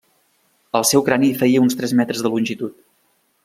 El seu crani feia uns tres metres de longitud.